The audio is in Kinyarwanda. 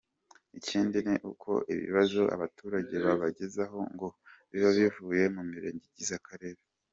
Ikindi ni uko ibibazo abaturage babagezaho ngo biba bivuye mu mirenge igize akarere.